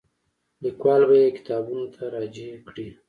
لیکوال به یې کتابونو ته راجع کړي.